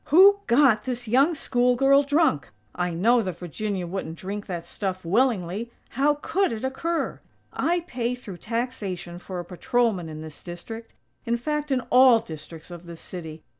Who got this young school girl drunk? I know that Virginia wouldn't drink that stuff willingly. How could it occur? I pay through taxation for a patrolman in this district; in fact in all districts of this city.